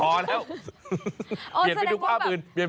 พอแล้วเปลี่ยนไปดูภาพอื่นเปลี่ยน